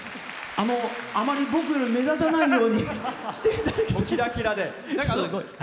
あまり僕より目立たないようにしていただきたいです。